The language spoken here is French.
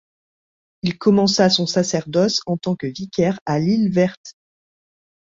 Il commença son sacerdoce en tant que vicaire à L'Isle-Verte.